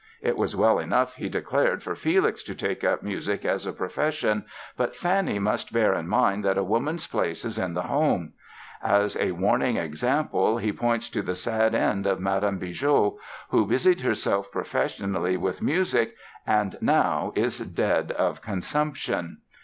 It was well enough, he declared, for Felix to take up music as a profession but Fanny must bear in mind that a woman's place is in the home. As a warning example he points to the sad end of Madame Bigot, who busied herself professionally with music and now is dead of consumption!